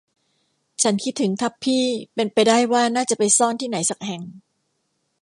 ฉันคิดถึงทัพพี่เป็นไปได้ว่าน่าจะไปซ่อนที่ไหนสักแห่ง